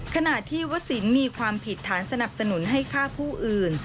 ขณะที่วสินมีความผิดฐานสนับสนุนให้ฆ่าผู้อื่น